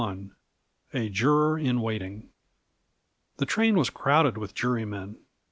XXI A JUROR IN WAITING The train was crowded with jurymen.